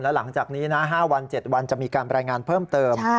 หลังจากนี้นะ๕วัน๗วันจะมีการรายงานเพิ่มเติม